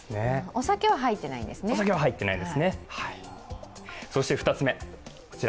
お酒は入ってないですね。